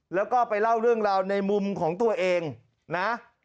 แล้วก็ไปเล่าเรื่องราวในมุมของตัวเองนะ